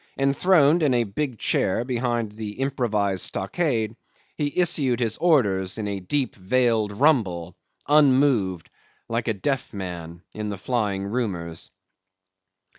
Enthroned in a big chair behind the improvised stockade, he issued his orders in a deep veiled rumble, unmoved, like a deaf man, in the flying rumours.